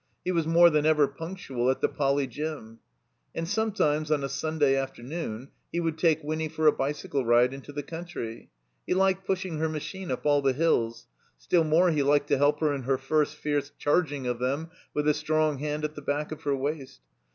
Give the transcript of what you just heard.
He was more than ever punc tual at the Poly. Gym. And sometimes, on a Sunday afternoon, he would take Winny for a bicycle ride into the country. He 64 THE COMBINED MAZE liked pushing her machine up all the hills; still more he liked to help her in her first fierce charging of them, with a strong hand at the back of her waist.